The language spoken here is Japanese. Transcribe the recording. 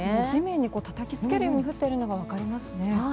地面にたたきつけるように降っているのが分かりますね。